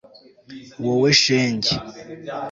wowe shenge